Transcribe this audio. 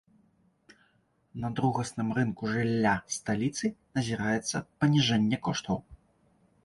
На другасным рынку жылля сталіцы назіраецца паніжэнне коштаў.